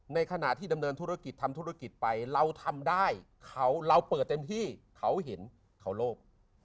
ในขณะที่ดำเนินธุรกิจทำธุรกิจไปเราทำได้เขาเราเปิดเต็มที่เขาเห็นเขาโลภ